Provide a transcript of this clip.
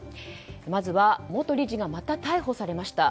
まずは元理事がまた逮捕されました。